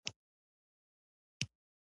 ځان جوګه نه وینم په عمر کې هم پخوانی یم.